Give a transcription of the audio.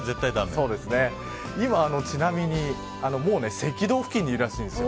今、ちなみにもう赤道付近にいるらしいです。